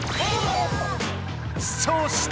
そして！